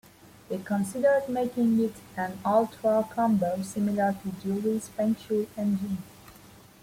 They considered making it an ultra-combo, similar to Juri's feng shui engine.